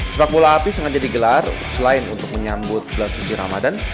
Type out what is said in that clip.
sepak bola api sengaja digelar selain untuk menyambut bulan suci ramadan